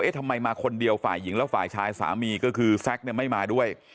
ทำไมมาคนเดียวฝ่ายหญิงแล้วฝ่ายชายสามีก็คือแซ็กเนี่ยไม่มาด้วย